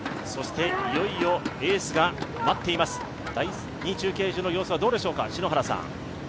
いよいよエースが待っています、第２中継所の様子はどうでしょうか。